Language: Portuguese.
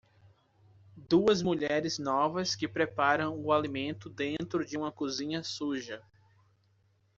Duas mulheres novas que preparam o alimento dentro de uma cozinha suja.